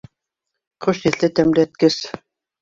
Хуш еҫле тәмләткес.